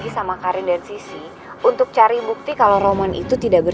sampai jumpa di video selanjutnya